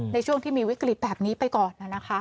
ในช่วงที่มีวิกฤตแบบนี้ไปก่อน